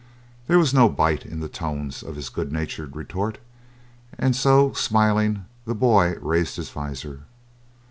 There was no bite in the tones of his good natured retort, and so, smiling, the boy raised his visor.